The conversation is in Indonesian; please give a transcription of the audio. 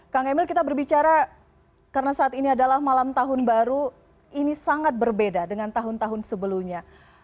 kang emil kita berbicara karena saat ini adalah malam tahun baru ini sangat berbeda dengan tahun tahun sebelumnya